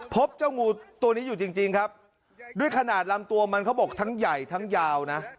พบเจ้างูตัวนี้อยู่จริงครับด้วยขนาดลำตัวมันเขาบอกทั้งใหญ่ทั้งยาวนะ